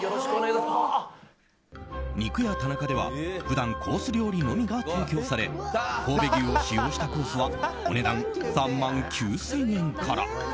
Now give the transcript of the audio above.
肉屋田中では普段コース料理のみが提供され神戸牛を使用したコースはお値段３万９０００円から。